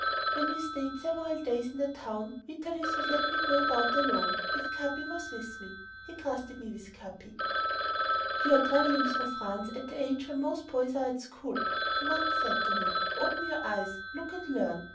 When we stayed several days in a town, Vitalis would let me go about alone if Capi was with me. He trusted me with Capi. "You are traveling through France at the age when most boys are at school," he once said to me; "open your eyes, look and learn.